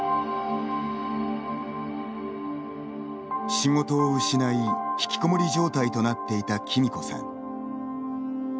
仕事を失い、ひきこもり状態となっていたきみこさん。